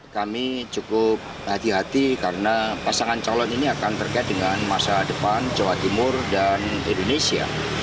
kami cukup hati hati karena pasangan calon ini akan terkait dengan masa depan jawa timur dan indonesia